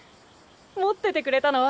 持っててくれたの？